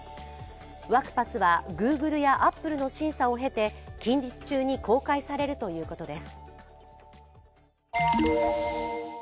ワクパスはＧｏｏｇｌｅやアップルの審査を経て近日中に公開されるということです。